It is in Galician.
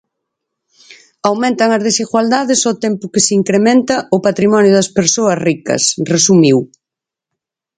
Aumentan as desigualdades ao tempo que se incrementa o patrimonio das persoas ricas, resumiu.